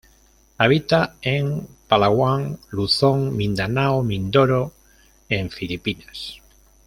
Habita en Palawan, Luzon, Mindanao, Mindoro en Filipinas.